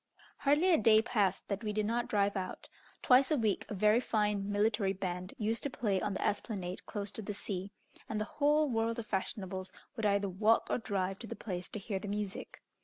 Hardly a day passed that we did not drive out. Twice a week a very fine military band used to play on the esplanade close to the sea, and the whole world of fashionables would either walk or drive to the place to hear the music.